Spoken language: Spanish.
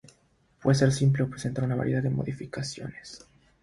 Puede ser simple o presentar una variedad de modificaciones.